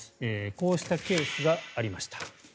こうしたケースがありました。